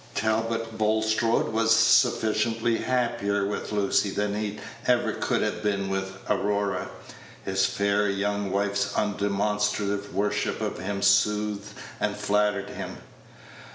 Talbot Bulstrode was substantially happier with Lucy than he ever could have been with Aurora. His fair young wife's undemonstrative worship of him soothed and flattered him.